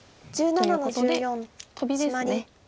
ということでトビですね。